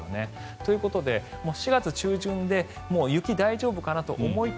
ということで、４月中旬で雪、大丈夫かなと思いき